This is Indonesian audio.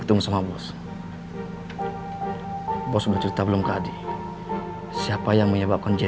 sepertinya bos percaya sama aku ya